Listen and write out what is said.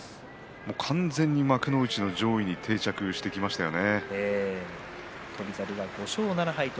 完全に幕内の上位に定着してきましたよね。